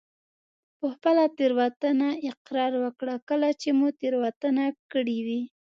په خپله تېروتنه اقرار وکړه کله چې مو تېروتنه کړي وي.